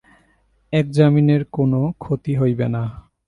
একজামিনের কোনো ক্ষতি হইবে না।